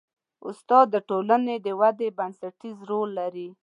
استاد د ټولنې د ودې بنسټیز رول لري.